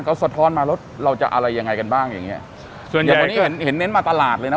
เขาสะท้อนมาแล้วเราจะอะไรยังไงกันบ้างอย่างเงี้ยส่วนใหญ่วันนี้เห็นเห็นเน้นมาตลาดเลยนะ